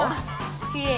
きれい。